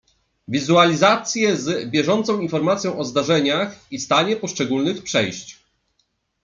Wizualizacje z bieżącą informacją o zdarzeniach i stanie poszczególnych przejść.